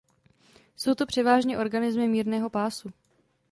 Jsou to převážně organismy mírného pásu.